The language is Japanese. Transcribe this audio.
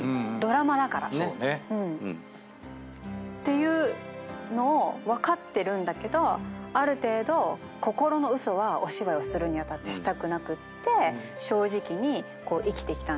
ていうのを分かってるんだけどある程度心の嘘はお芝居をするに当たってしたくなくって正直に生きてきたんですけど。